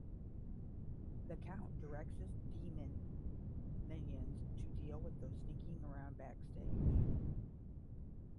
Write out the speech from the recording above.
The Count directs his demon minions to deal with those sneaking around backstage.